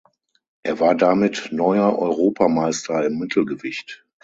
Er war damit neuer Europameister im Mittelgewicht.